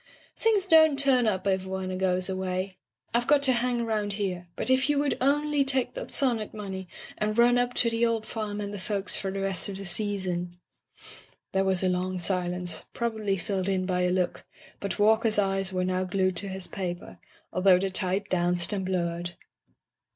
"Things don't turn up if one goes away. IVe got to hang around here, but if you would only take that sonnet money, and run up to the old farm and the folks for the rest of the season '* There was a long silence, probably filled in by a look, but Walker's eyes were now glued to his paper, although the type danced and blurred.